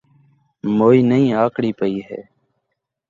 موئی نئیں آکڑی پئی ہے